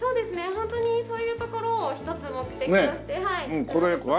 ホントにそういうところをひとつ目的としてはい。